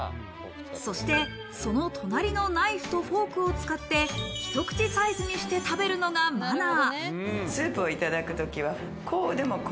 そしてその隣のナイフとフォークを使ってひと口サイズにして食べるのがマナー。